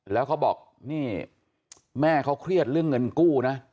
แล้วเขาบอกนี่แม่เขาเครียดเรื่องเงินกู้นะ